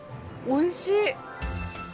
おいしい！